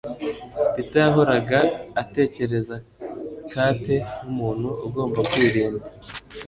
Peter yahoraga atekereza Kate nkumuntu ugomba kwirinda